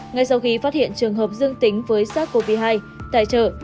ngay sau khi phát hiện trường hợp dương tính với sars cov hai tại chợ